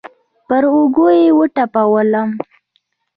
پر اوږه يې وټپولم.